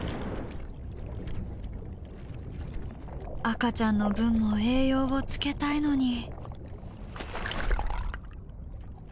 「赤ちゃんの分も栄養をつけたいのに」。